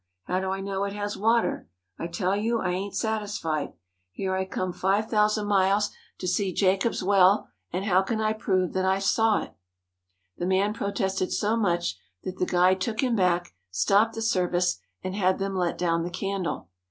How do I know it has water? I tell you I ain't satisfied. Here I come five thousand miles to 153 THE HOLY LAND AND SYRIA see Jacob's Well, and how can I prove that I've saw it?" The man protested so much that the guide took him back, stopped the service, and had them let down the candle.